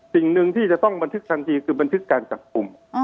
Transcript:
สิ่งหนึ่งที่จะต้องบันทึกทันทีคือบันทึกการจับกลุ่ม